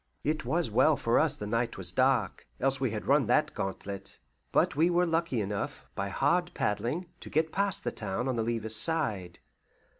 It was well for us the night was dark, else we had run that gantlet. But we were lucky enough, by hard paddling, to get past the town on the Levis side.